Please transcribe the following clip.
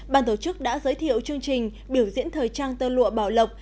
ban tổ chức đã giới thiệu chương trình biểu diễn thời trang tơ lụa bảo lộc